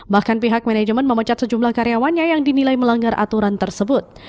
bahkan pihak manajemen memecat sejumlah karyawannya yang dinilai melanggar aturan tersebut